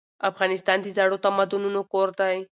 افغانستان د زړو تمدنونو کور دی.